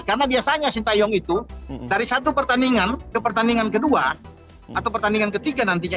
karena biasanya sintayong itu dari satu pertandingan ke pertandingan kedua atau pertandingan ketiga nantinya